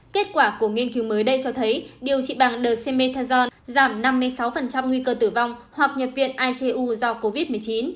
kết quả của nghiên cứu mới đây cho thấy điều trị bằng the methazon giảm năm mươi sáu nguy cơ tử vong hoặc nhập viện icu do covid một mươi chín